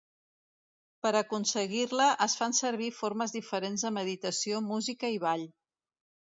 Per aconseguir-la es fan servir formes diferents de meditació, música i ball.